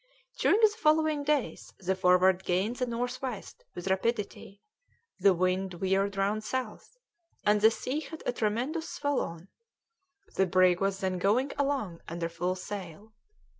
During the following days the Forward gained the north west with rapidity; the wind veered round south, and the sea had a tremendous swell on; the brig was then going along under full sail.